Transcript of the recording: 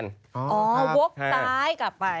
อ๋อวกตายกลับไป